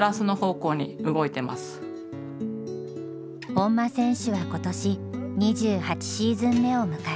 本間選手は今年２８シーズン目を迎えた。